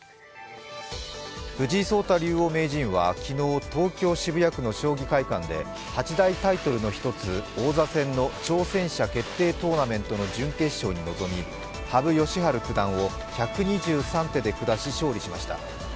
藤井聡太竜王名人は昨日、東京・渋谷区の将棋会館で８大タイトルの１つ、王座戦の挑戦者決定トーナメントの準決勝に臨み羽生善治九段を１２３手で下し勝利しました。